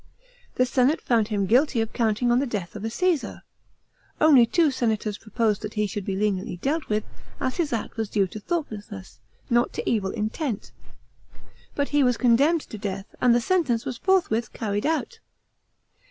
The senate found him guilty of counting on the death of a C«esar; only two senators proposed that he should be leniently dealt with, as his act was due to thoughtlessness, not to evil intent. But he was condemned to death, and the sentence was forthwith cairied out.